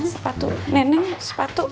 sepatu neneng sepatu